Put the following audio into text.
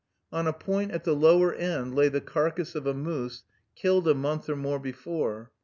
On a point at the lower end lay the carcass of a moose killed a month or more before.